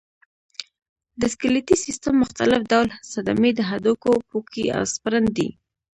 د سکلیټي سیستم مختلف ډول صدمې د هډوکو پوکی او سپرن دی.